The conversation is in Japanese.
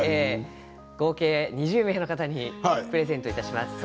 合計２０名の方にプレゼントいたします。